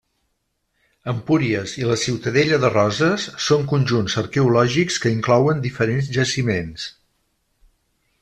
Empúries i la Ciutadella de Roses són conjunts arqueològics que inclouen diferents jaciments.